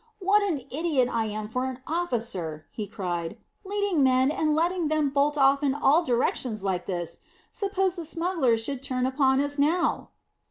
"What an idiot I am for an officer!" he cried. "Leading men and letting them bolt off in all directions like this. Suppose the smugglers should turn upon us now!"